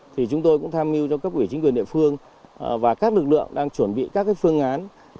thì chúng tôi cũng tham mưu cho các quỹ chính quyền địa phương và các lực lượng đang chuẩn bị các cái phương án